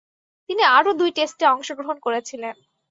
তিনি আরও দুই টেস্টে অংশগ্রহণ করেছিলেন।